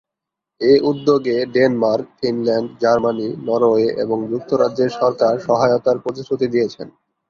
এ উদ্যোগে Denmark, Finland, Germany, Norway এবং যুক্তরাজ্যের সরকার সহায়তার প্রতিশ্রুতি দিয়েছেন।